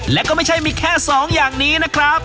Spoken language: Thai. และก็ไม่ใช่มีแค่๒อย่างนี้นะครับ